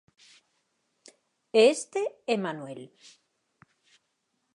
E este é Manuel.